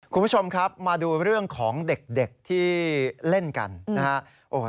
คุณผู้ชมครับมาดูเรื่องของเด็กที่เล่นกันนะครับ